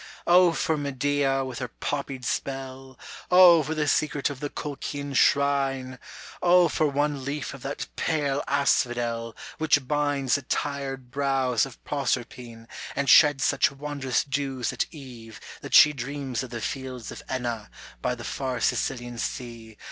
O for Medea with her poppied spell ! O for the secret of the Colchian shrine ! O for one leaf of that pale asphodel Which binds the tired brows of Proserpine, And sheds such wondrous dews at eve that she Dreams of the fields of Enna, by the far Sicilian sea.